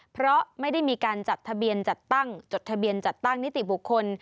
เพราะไม่ได้มีการจัดทะเบียนจัดตั้งจดทะเบียนจัดตั้งนิติบุคคล